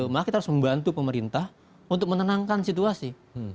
maka kita harus membantu pemerintah untuk menenangkan situasi